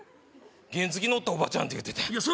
原付き乗ったおばちゃんって言うてたやん